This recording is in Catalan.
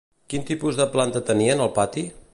Quin tipus de planta tenien al pati?